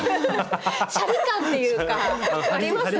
シャリ感っていうかありますね。